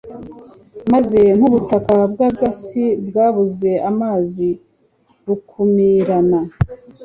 meze nk'ubutaka bw'agasi bwabuze amazi bukumirana